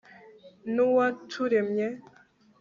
n'uwaturemye